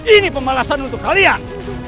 ini pembalasan untuk kalian